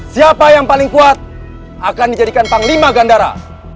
siapa yang paling kuat akan dijadikan panglima gandara